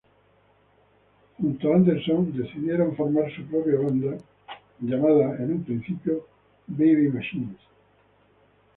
Junto a Anderson, decidieron formar su propia banda, llamada en un principio Baby Machines.